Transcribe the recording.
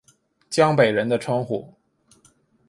江北人的称呼。